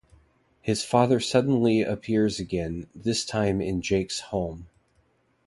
His father suddenly appears again, this time in Jake's home.